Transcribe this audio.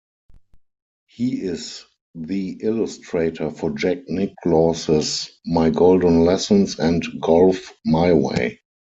He is the illustrator for Jack Nicklaus's "My Golden Lessons" and "Golf My Way".